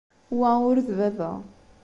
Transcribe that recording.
Wa ur d baba.